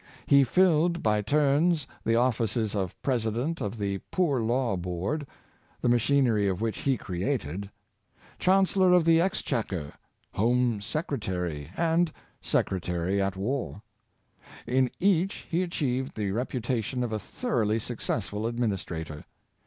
He filled by turns the offices of presi dent of the poor law board — the machinery of which he created — chancellor of the exchequer, home secre tary, and secretary at war; and in each he achieved the reputation of a thoroughly successful administrator.